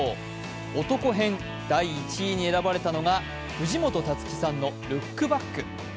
オトコ編第１位に選ばれたのが藤本タツキさんの「ルックバック。」